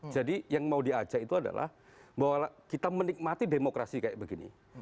jadi yang mau diajak itu adalah bahwa kita menikmati demokrasi kayak begini